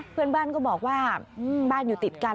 เพื่อนบ้านก็บอกว่าบ้านอยู่ติดกัน